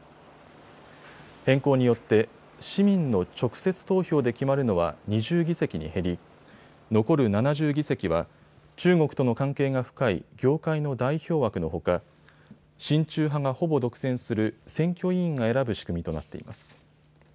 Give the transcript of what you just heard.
変更によって市民の直接投票で決まるのは２０議席に減り、残る７０議席は中国との関係が深い業界の代表枠のほか親中派がほぼ独占する選挙委員が選ぶ仕組みとなっています。